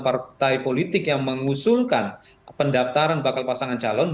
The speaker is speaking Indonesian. partai politik yang mengusulkan pendaftaran bakal pasangan calon